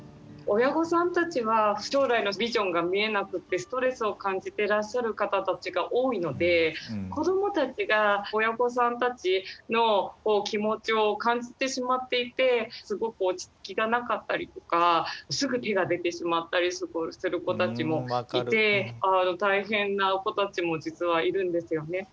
親御さんたちは将来のビジョンが見えなくってストレスを感じてらっしゃる方たちが多いので子どもたちが親御さんたちの気持ちを感じてしまっていてすごく落ち着きがなかったりとかすぐ手が出てしまったりする子たちもいて大変な子たちも実はいるんですよね。